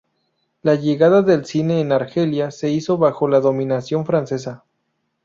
La llegada del cine en Argelia se hizo bajo la dominación francesa.